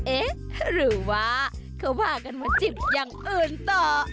เอ๊ะหรือว่าเขาพากันมาจิบอย่างอื่นต่อ